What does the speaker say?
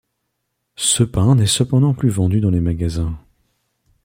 Ce pain n'est cependant plus vendu dans les magasins.